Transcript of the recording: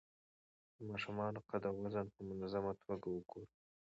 د ماشومانو قد او وزن په منظمه توګه وګورئ.